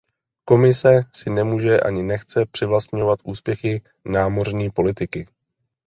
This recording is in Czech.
Komise si nemůže, ani nechce přivlastňovat úspěchy námořní politiky.